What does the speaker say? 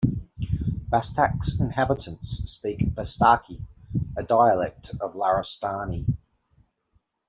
Bastak's inhabitants speak Bastaki, a dialect of Larestani.